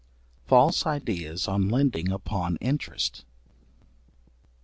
False ideas on lending upon interest.